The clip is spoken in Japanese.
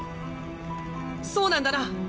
そうなんだな⁉